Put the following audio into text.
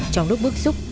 trong lúc bước xúc